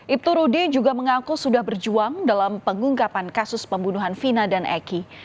ibtu rudy juga mengaku sudah berjuang dalam pengungkapan kasus pembunuhan vina dan eki